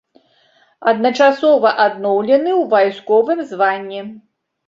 Адначасова адноўлены ў вайсковым званні.